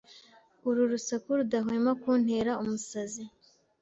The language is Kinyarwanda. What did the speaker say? Uru rusaku rudahwema kuntera umusazi.